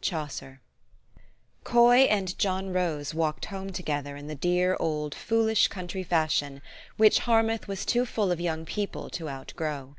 CHAUCER. COY and John Rose walked home together in the dear, old, foolish country fashion, which Har mouth was too full of young people to outgrow.